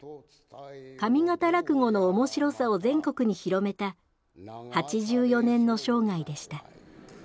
上方落語の面白さを全国に広めた８４年の生涯でした。